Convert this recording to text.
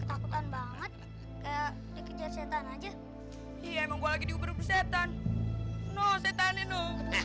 ketakutan banget kayak sedang aja emang lagi diubur ubur setan no setan eno